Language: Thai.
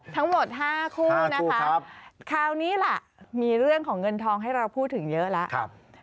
ทั้งหมด๕คู่นะคะคราวนี้ล่ะมีเรื่องของเงินทองให้เราพูดถึงเยอะแล้ว